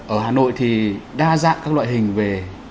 ở hà nội thì đa dạng các loại hình về